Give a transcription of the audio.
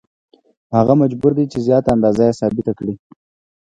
هغه مجبور دی چې زیاته اندازه یې ثابته کړي